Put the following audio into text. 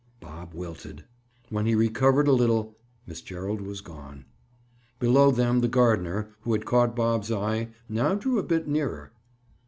Bob wilted. When he recovered a little, Miss Gerald was gone. Below them the gardener who had caught Bob's eye now drew a bit nearer.